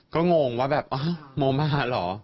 ก็งงว่าแบบโมมาเหรอ